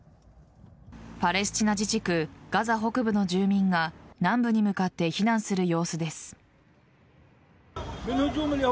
パレスチナ自治区ガザ北部の住民が南部に向かって避難する様子です。